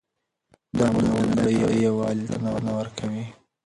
دا ناول د نړۍ یووالي ته بلنه ورکوي.